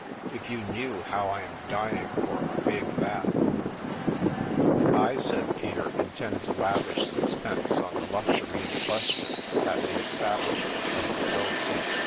If you knew how I am dying for a big bath !"" I," said Peter, " intend to lavish sixpence on the luxury in question at the establishment of the L.